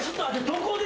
どこで。